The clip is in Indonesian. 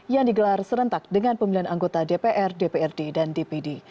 yang digelar serentak dengan pemilihan anggota dpr dprd dan dpd